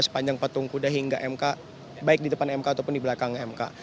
sepanjang patung kuda hingga mk baik di depan mk ataupun di belakang mk